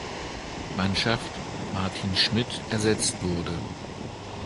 Mannschaft, Martin Schmidt ersetzt wurde.